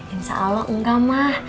insya allah enggak mah